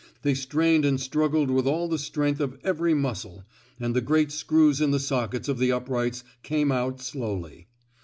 They strained and struggled with all the strength of every muscle, and the great screws in the sockets of the uprights came out slowly.